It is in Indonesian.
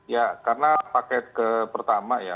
ya karena paket pertama ya